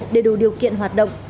để đủ điều kiện hoạt động